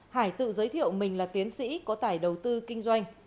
hải tự giới thiệu mình là tiến sĩ có tải đầu tư kinh doanh